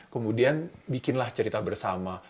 kemudian bikinlah cerita bersama